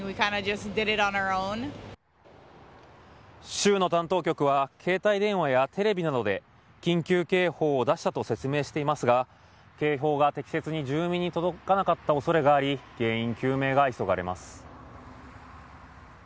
州の担当局は携帯電話やテレビなどで緊急警報を出したと説明していますが警報が適切に住民に届かなかった恐れがあり原因究明が急がれます。